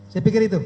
saya pikir itu